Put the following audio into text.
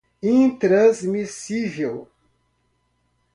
intransmissível